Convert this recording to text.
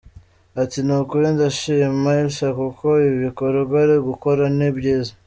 Ati “Ni ukuri ndashima Elsa kuko ibi bikorwa ari gukora ni byiza.